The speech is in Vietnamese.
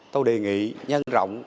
tôi đề nghị nhân rộng